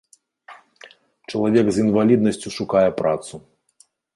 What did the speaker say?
Чалавек з інваліднасцю шукае працу.